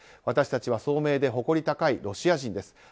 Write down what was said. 私たちは聡明で誇り高いロシア人です。